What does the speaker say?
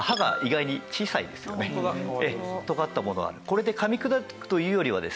これで噛み砕くというよりはですね